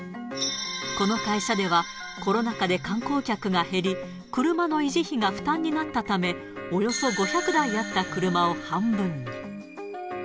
この会社では、コロナ禍で観光客が減り、車の維持費が負担になったため、およそ５００台あった車を半分に。